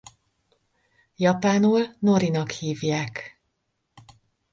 Japánul norinak hívják.